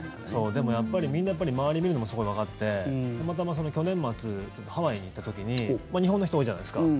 でもやっぱり、みんな周り見るのもすごいわかってたまたま、去年末ハワイに行った時に日本の人、多いじゃないですか。